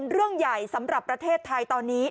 เรื่องใหญ่สำหรับประเทศไทยตอนนี้